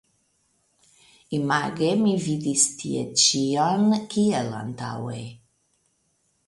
Image mi vidis tie ĉion kiel antaŭe.